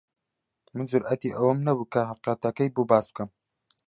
من جورئەتی ئەوەم نەبوو کە حەقیقەتەکەی بۆ باس بکەم.